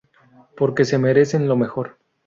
Porque se merecen lo mejor.